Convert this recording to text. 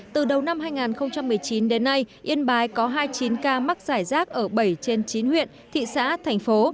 từ đầu năm hai nghìn một mươi chín đến nay yên bái có hai mươi chín ca mắc giải rác ở bảy trên chín huyện thị xã thành phố